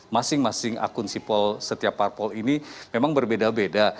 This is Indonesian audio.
masing masing akun sipol setiap parpol ini memang berbeda beda